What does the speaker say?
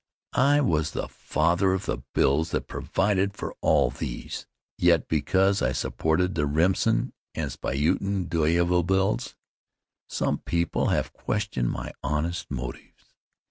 1 was the father of the bills that provided for all these; yet, because I supported the Remsen and Spuyten Duyvil bills, some people have questioned my honest motives.